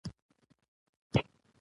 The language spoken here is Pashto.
نو په دې ناول کې له مرکزي، متخاصم،